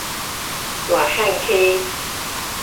大漢溪